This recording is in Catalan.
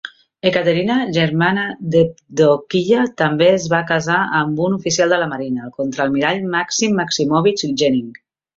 Ekaterina, germana d'Evdokiya, també es va casar amb un oficial de la marina, el Contraalmirall Maksim Maksimovich Genning.